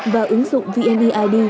và ứng dụng vneid